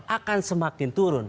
akan semakin turun